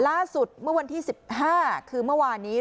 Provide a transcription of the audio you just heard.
ล่าสุดเมื่อวันที่๑๕คือเมื่อวานนี้